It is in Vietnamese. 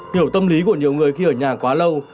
hiểu tâm lý của nhiều người khi ở nhà quá lâu